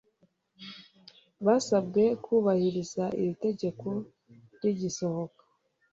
basabwe kubahiriza iri tegeko rigisohoka